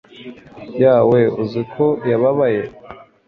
yawe uziko yababaye